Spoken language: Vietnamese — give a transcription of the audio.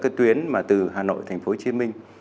các tuyến từ hà nội tp hcm